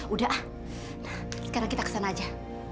udah sekarang kita ke sana aja